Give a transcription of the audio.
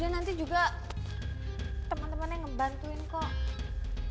udah nanti juga temen temennya ngebantuin kok